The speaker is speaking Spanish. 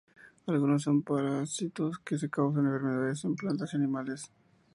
Algunos son parásitos que causan enfermedades en plantas y animales.